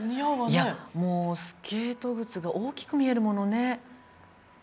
いやもうスケート靴が大きく見えるものね。